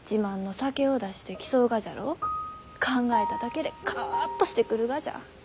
考えただけでカアッとしてくるがじゃ。